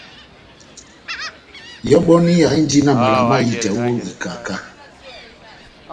Ihɔbɔniya indi na mala mahitɛ ó ikaká.